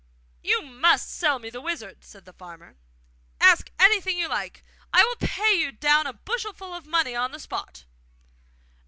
'You MUST sell me the wizard,' said the farmer. 'Ask anything you like! I will pay you down a bushelful of money on the spot.